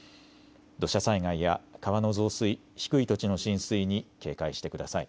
土砂災害や川の増水、低い土地の浸水に警戒してください。